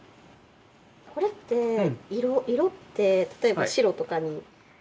これって色って例えば白とかに。